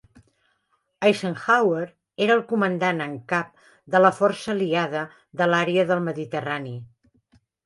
Eisenhower era el comandant en cap de la Força aliada de l'àrea del Mediterrani.